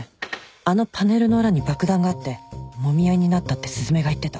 あのパネルの裏に爆弾があってもみ合いになったって雀が言ってた